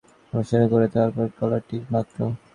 আপনি তো কেবল, এসব আরো আকর্ষণীয় করে তোলার কলকাটি মাত্র।